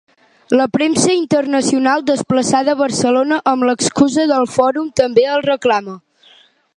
La premsa internacional desplaçada a Barcelona amb l'excusa del Fòrum també el reclama.